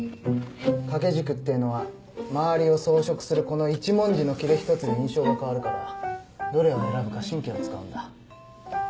掛け軸ってのは周りを装飾するこの一文字の裂一つで印象が変わるからどれを選ぶか神経を使うんだ。